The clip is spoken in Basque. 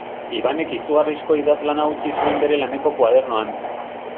Ibanek izugarrizko idazlana utzi zuen bere laneko koadernoan.